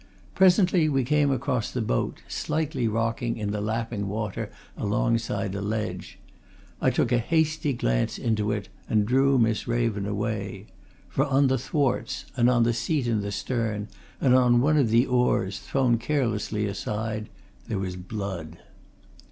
Presently we came across the boat, slightly rocking in the lapping water alongside a ledge I took a hasty glance into it and drew Miss Raven away. For on the thwarts, and on the seat in the stern, and on one of the oars, thrown carelessly aside, there was blood.